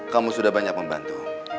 kamu sudah banyak membantu